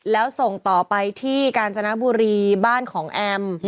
แล้วส่งต่อไปที่กาญจนบุรีบ้านของแอม